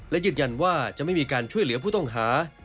และยืนยันว่าจะไม่มีการช่วยเหลือผู้ต้องหา